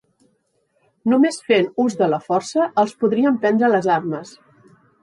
Només fent ús de la força, els podrien prendre les armes